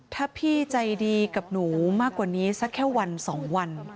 ถ้าพี่ใจดีกับหนูมากกว่านี้สักแค่วันสองวัน